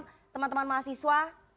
selamat malam teman teman mahasiswa